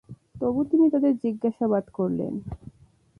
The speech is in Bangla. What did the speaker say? তবু তিনি তাদের জিজ্ঞাসাবাদ করলেন।